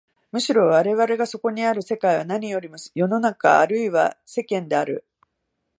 むしろ我々がそこにある世界は何よりも世の中あるいは世間である。